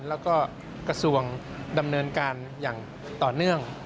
แล้วก็กระทรวงดำเนินการอย่างต่อเนื่อง